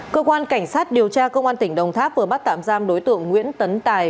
cơ quan cảnh sát điều tra công an tỉnh đồng tháp vừa bắt tạm giam đối tượng nguyễn tấn tài